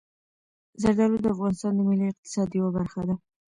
زردالو د افغانستان د ملي اقتصاد یوه برخه ده.